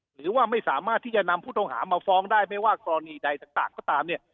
หรือว่าไม่สามารถที่จะนำผู้ต้องหามาฟ้องได้ไม่ว่ากรณีใดต่างก็ตามเนี่ย